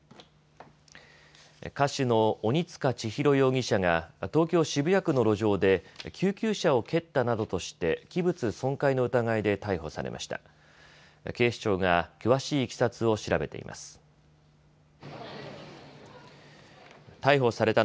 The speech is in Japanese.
歌手の鬼束ちひろ容疑者が東京渋谷区の路上で救急車を蹴ったなどとして器物損壊の疑いで逮捕されました。